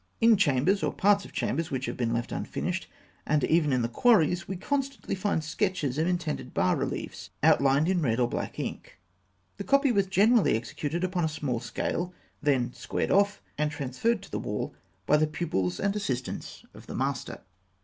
In chambers, or parts of chambers, which have been left unfinished, and even in the quarries, we constantly find sketches of intended bas reliefs, outlined in red or black ink. The copy was generally executed upon a small scale, then squared off, and transferred to the wall by the pupils and assistants of the master.